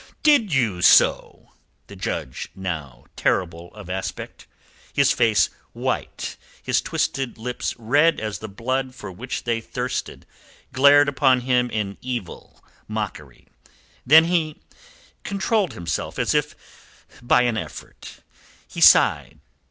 "Did you so?" The Judge, terrible now of aspect his face white, his twisted lips red as the blood for which they thirsted glared upon him in evil mockery. Then he controlled himself as if by an effort. He sighed.